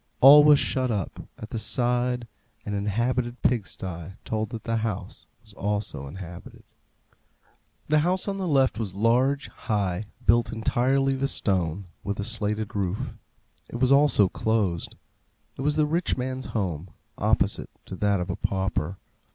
All was shut up. At the side an inhabited pig sty told that the house was also inhabited. The house on the left was large, high, built entirely of stone, with a slated roof. It was also closed. It was the rich man's home, opposite to that of the pauper.